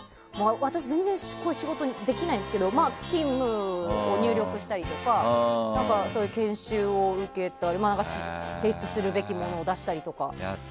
私、全然仕事できないんですが勤務を入力したりとか研修を受けたりとか提出すべきものを出したりとか。